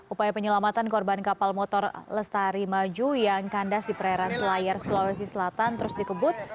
upaya penyelamatan korban kapal motor lestari maju yang kandas di perairan selayar sulawesi selatan terus dikebut